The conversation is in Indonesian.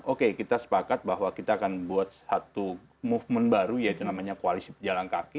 oke kita sepakat bahwa kita akan buat satu movement baru yaitu namanya koalisi pejalan kaki